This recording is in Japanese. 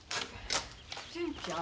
純ちゃん。